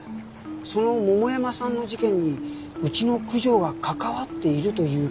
その桃山さんの事件にうちの九条が関わっているという事ですか？